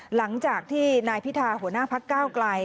หลังจากที่นายพิธาหัวหน้าพักก้าวไกล